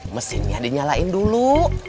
mesinnya dinyalain dulu